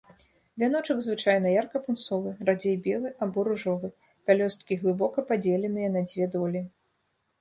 Вяночак звычайна ярка-пунсовы, радзей белы або ружовы, пялёсткі глыбока падзеленыя на дзве долі.